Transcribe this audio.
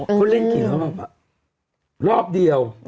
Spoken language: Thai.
เขาเล่นกี่รอบรอบเดียว